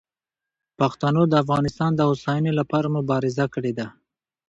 پښتنو د افغانستان د هوساینې لپاره مبارزه کړې ده.